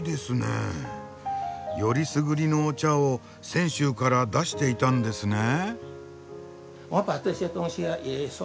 よりすぐりのお茶を泉州から出していたんですねえ。